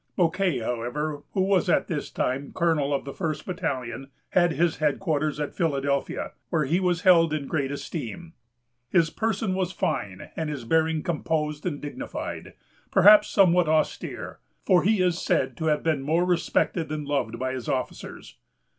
Bouquet, however, who was at this time colonel of the first battalion, had his headquarters at Philadelphia, where he was held in great esteem. His person was fine, and his bearing composed and dignified; perhaps somewhat austere, for he is said to have been more respected than loved by his officers.